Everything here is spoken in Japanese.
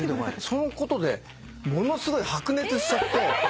そのことでものすごい白熱しちゃって。